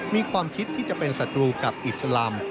มีความคิดที่จะเป็นศัตรูกับอิสลาม